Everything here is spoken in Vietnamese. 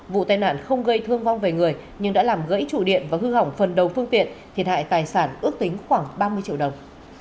vụ tai nạn không gây thương vong về người nhưng đã làm gãy trụ điện và hư hỏng phần đầu phương tiện thiệt hại tài sản ước tính khoảng ba mươi triệu đồng